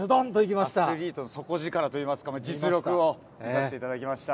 アスリートの底力といいますか、実力を見させていただきました。